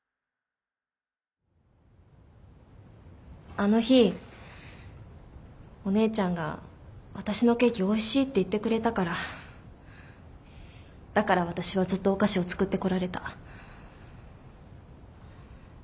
あの日お姉ちゃんが私のケーキおいしいって言ってくれたからだから私はずっとお菓子を作ってこられた。